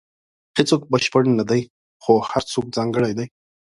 • هیڅوک بشپړ نه دی، خو هر څوک ځانګړی دی.